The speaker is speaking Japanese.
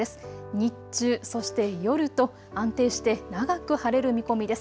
日中、そして夜と安定して長く晴れる見込みです。